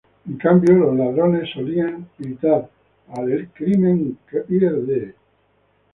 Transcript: En cambio, los ladrones solían gritar ""¡Ah del Crimen que pierde!